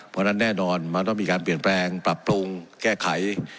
เพราะฉะนั้นแน่นอนมันต้องมีการเปลี่ยนแปลงปรับปรุงแก้ไข